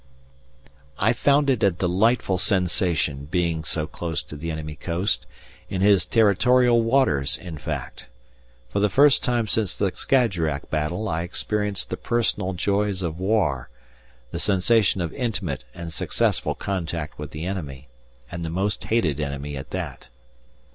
I found it a delightful sensation being so close to the enemy coast, in his territorial waters, in fact. For the first time since the Skajerack battle I experienced the personal joys of war, the sensation of intimate and successful contact with the enemy, and the most hated enemy at that.